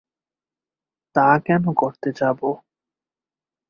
তা কেন করতে যাবো?